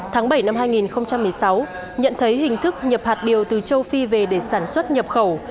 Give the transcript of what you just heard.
tháng bảy năm hai nghìn một mươi sáu nhận thấy hình thức nhập hạt điều từ châu phi về để sản xuất nhập khẩu